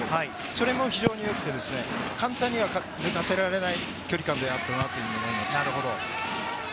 それも非常に良くて、簡単には抜かせられない距離感であったなと思います。